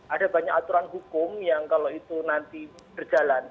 ada banyak aturan hukum yang kalau itu nanti berjalan